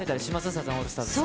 サザンオールスターズは。